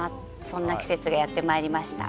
そんな季節がやってまいりました。